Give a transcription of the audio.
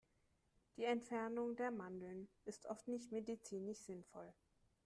Die Entfernung der Mandeln ist oft nicht medizinisch sinnvoll.